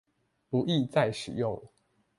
不易再使用